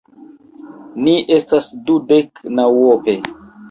Ni estas dudek naŭope.